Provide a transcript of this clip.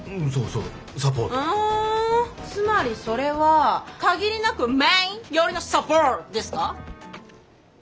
うんつまりそれは限りなくメイン寄りのサポートですか？